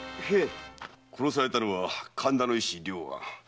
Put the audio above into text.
殺されたのは神田の医師・良安。